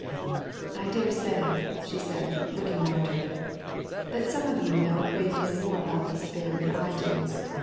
"I daresay," she said, looking round her, "that some of you know a great deal more about this affair than I do.